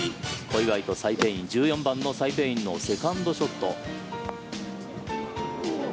小祝とサイ・ペイイン１４番のサイ・ペイインのセカンドショット。